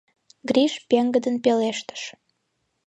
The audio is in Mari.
— Гриш пеҥгыдын пелештыш.